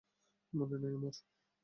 মনে নাই আমার।